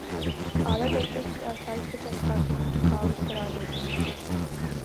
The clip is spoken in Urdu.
اعلیٰ طبقے کی آسائش پسند خاتون کی کاوش قرار دیتے ہیں